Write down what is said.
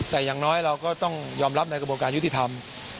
แต่อย่างน้อยเราก็ต้องยอมรับในกระบวนการยุติธรรม